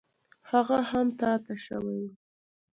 هغه هم تا ته شوی و.